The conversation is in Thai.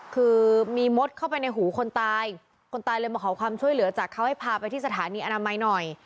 คือมีมดเข้าไปในหูคนตายคนตายเลยมาขอความช่วยเหลือจากเขาให้พาไปที่สถานีอนามัยหน่อย